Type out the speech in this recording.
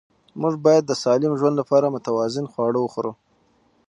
موږ باید د سالم ژوند لپاره متوازن خواړه وخورو